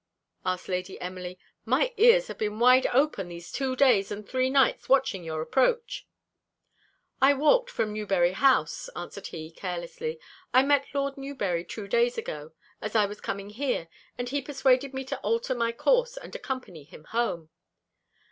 asked Lady Emily; "my ears have been wide open these two days and three nights watching your approach?" "I walked from Newberry House," answered he, carelessly. "I met Lord Newberry two days ago, as I was coming here, and he persuaded me to alter my course and accompany him home."